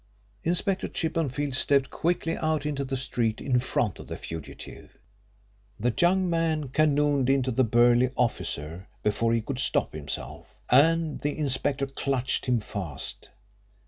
Inspector Chippenfield stepped quickly out into the street in front of the fugitive. The young man cannoned into the burly officer before he could stop himself, and the inspector clutched him fast.